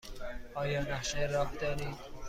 آیا نقشه راه دارید؟